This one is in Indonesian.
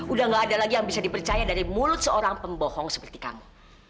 udah gak ada lagi yang bisa dipercaya dari mulut seorang pembohong seperti kamu